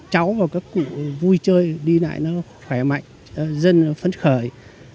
cháu và các cụ vui chơi đi lại nó khỏe mạnh dân phấn khởi